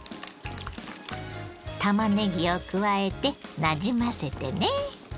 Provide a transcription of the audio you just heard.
たまねぎを加えてなじませてね。